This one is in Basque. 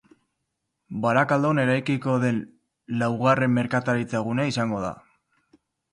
Barakaldon eraikiko den laugarren merkataritza-gunea izango da.